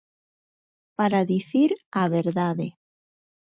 Para dicir a verdade.